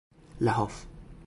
لحاف